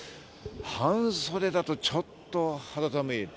半袖だとちょっと肌寒い。